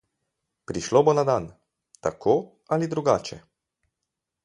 Prišlo bo na dan, tako ali drugače.